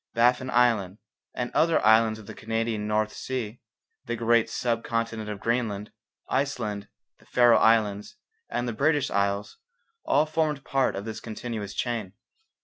Baffin Island and other islands of the Canadian North Sea, the great sub continent of Greenland, Iceland, the Faroe Islands, and the British Isles, all formed part of this continuous chain.